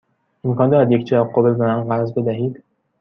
امکان دارد یک چراغ قوه به من قرض بدهید؟